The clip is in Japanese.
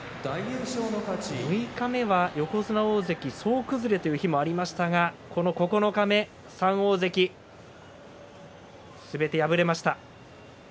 六日目は横綱、大関総崩れという日もありましたが九日目、３大関すべて敗れています。